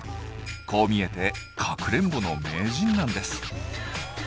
こう見えてかくれんぼの名人なんです。